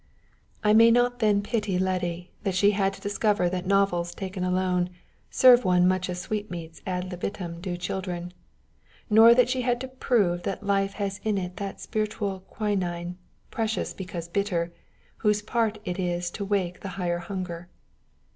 I may not then pity Letty that she had to discover that novels taken alone serve one much as sweetmeats ad libitum do children, nor that she had to prove that life has in it that spiritual quinine, precious because bitter, whose part it is to wake the higher hunger.